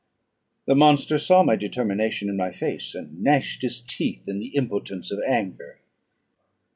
The monster saw my determination in my face, and gnashed his teeth in the impotence of anger.